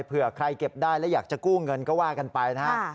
เผื่อใครเก็บได้และอยากจะกู้เงินก็ว่ากันไปนะฮะ